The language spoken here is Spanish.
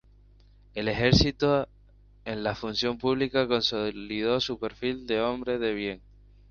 El ejercicio en la función pública consolidó su perfil de hombre de bien.